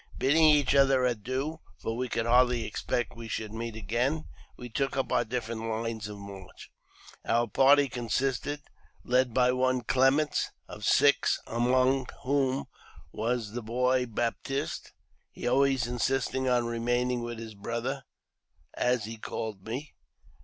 Bidding each other adieu, for we could hardly expect we should meet again, we took up our different lines of march. Our party consisted, led by one Clements, of six, among whom was the boy Baptiste, he always insisting on remaining with his brother (as he called me).